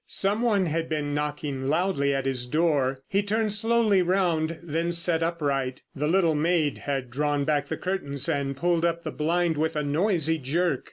Some one had been knocking loudly at his door. He turned slowly round, then sat upright. The little maid had drawn back the curtains and pulled up the blind with a noisy jerk.